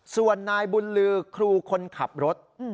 ส่วนนายบุญลือครูคนขับรถ